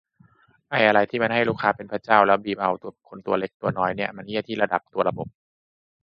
ไอ้อะไรที่มันให้ลูกค้าเป็นพระเจ้าแล้วมาบีบเอากับคนตัวเล็กตัวน้อย นี่มันเหี้ยที่ระดับตัวระบบ